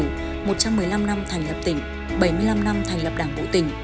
một trăm một mươi năm năm thành lập tỉnh bảy mươi năm năm thành lập đảng bộ tỉnh